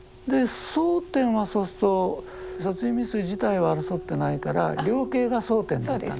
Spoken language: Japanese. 争点はそうすると殺人未遂自体は争ってないから量刑が争点だったんですね。